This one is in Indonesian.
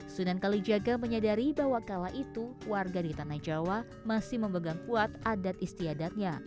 sunan kalijaga menyadari bahwa kala itu warga di tanah jawa masih memegang kuat adat istiadatnya